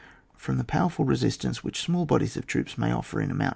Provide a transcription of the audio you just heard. From the powerful resistance which small bodies of troops may offer in a moun.